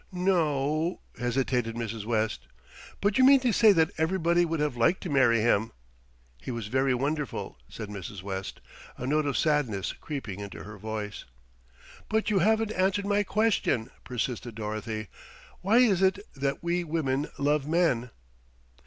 "Noooo " hesitated Mrs. West. "But you mean to say that everybody would have liked to marry him." "He was very wonderful," said Mrs. West, a note of sadness creeping into her voice. "But you haven't answered my question," persisted Dorothy. "Why is it that we women love men?"